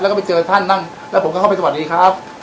แล้วก็ไปเจอท่านบ้างแล้วผมก็เข้าไปสวัสดีครับ